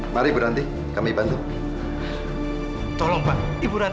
mas yang sabar ya